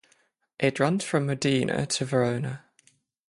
It runs from Modena to Verona.